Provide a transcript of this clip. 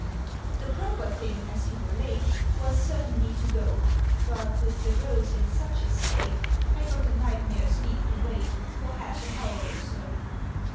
"The proper thing, as you were late, Was certainly to go: But, with the roads in such a state, I got the Knight Mayor's leave to wait For half an hour or so."